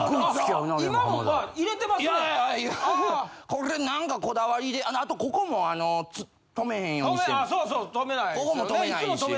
これ何かこだわりであとここもあの止めへんようにして。